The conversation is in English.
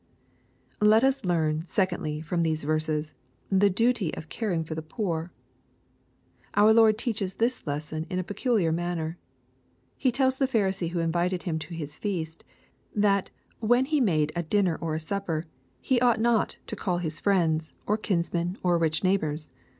Let us learn, secondly, from these verses, the duty of caring for the poor. Our Lord teaches this lesson in a peculiar manner. He tells the Pharisee who invited Him to his feast, that, when he made " a dinner or a supper," he ought not to " call his friends," or kinsmen, or rich neighbors.